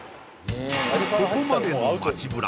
ここまでの街ブラ